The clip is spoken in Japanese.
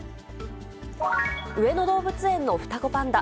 上野動物園の双子パンダ。